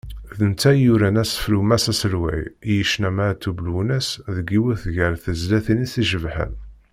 D netta i yuran asefru “Mass aselway” i yecna Meɛtub Lwennas deg yiwet gar tezlatin-is icebḥen.